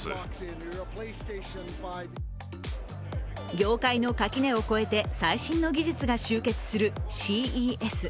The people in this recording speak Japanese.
業界の垣根を越えて最新の技術が集結するＣＥＳ。